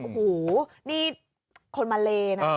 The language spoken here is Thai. โอ้โหนี่คนมาเลนะ